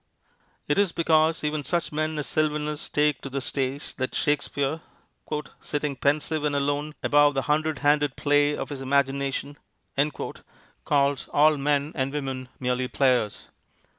It is because even such men as Sylvanus take to the stage that Shakespeare, "sitting pensive and alone, above the hundred handed play of his imagination," calls all men and women merely players.